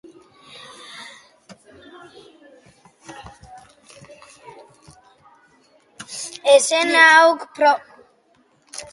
Eszena hauek Proventzako bere bigarren egonaldian egingo zituen, agian.